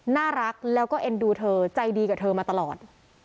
น่ารักแล้วก็เอ็นดูเธอใจดีกับเธอมาตลอด